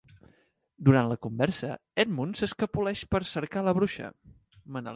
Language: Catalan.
Durant la conversa, Edmund s'escapoleix per cercar la bruixa.